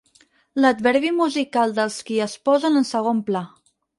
L'adverbi musical dels qui es posen en segon pla.